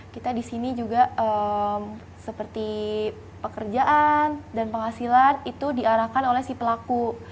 kita di sini juga seperti pekerjaan dan penghasilan itu diarahkan oleh si pelaku